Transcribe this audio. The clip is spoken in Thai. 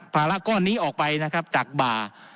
ภาระก้อนนี้ออกไปนะครับจากบ่า